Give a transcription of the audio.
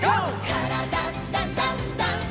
「からだダンダンダン」